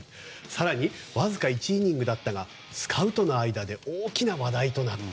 更に、わずか１イニングだったがスカウトの間で大きな話題となった。